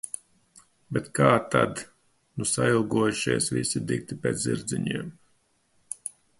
Bet kā tad... Nu sailgojušies visi dikti pēc zirdziņiem.